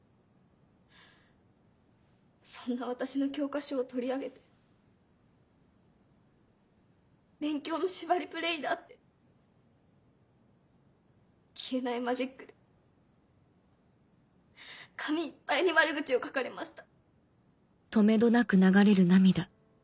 そんな私の教科書を取り上げて「勉強の縛りプレイだ」って消えないマジックで紙いっぱいに悪口を書かれました。